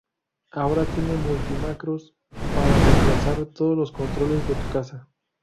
Ahora tiene multi-macros para remplazar todos los controles de tu casa.